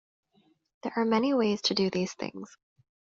There are many ways to do these things.